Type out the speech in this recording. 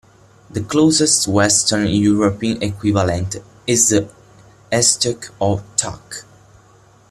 The closest western European equivalent is the estoc, or "tuck".